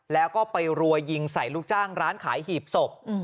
แล้วก็ไปรัวยิงใส่ลูกจ้างร้านขายหีบศพ